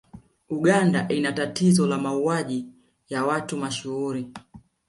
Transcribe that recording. Uganda ina tatizo la mauwaji ya watu mashuhuri